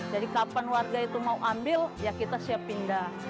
jadi kapan warga itu mau ambil ya kita siap pindah